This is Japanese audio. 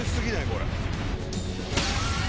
これ。